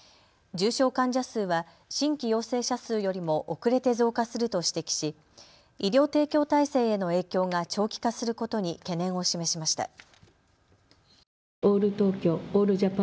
重症患者数は新規陽性者数よりも遅れて増加すると指摘し医療提供体制への影響が長期化することに懸念を示しました。